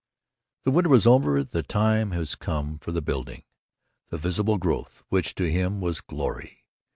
The winter was over; the time was come for the building, the visible growth, which to him was glory.